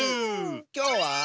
きょうは。